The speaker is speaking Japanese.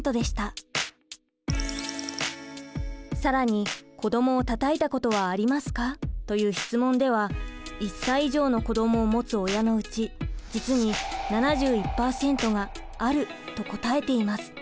更に「子どもをたたいたことはありますか？」という質問では１歳以上の子どもを持つ親のうち実に７１％が「ある」と答えています。